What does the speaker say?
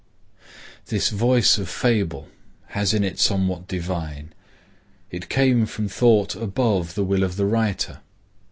This voice of fable has in it somewhat divine. It came from thought above the will of the writer.